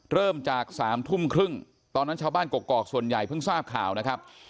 เริ่มจาก๓ทุ่มครึ่งตอนนั้นชาวบ้านกกอกส่วนใหญ่เพิ่งทราบข่าวนะครับ